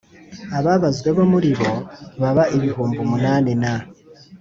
Ababazwe bo muri bo baba ibihumbi munani na